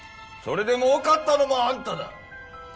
それで儲かったのもあんただ！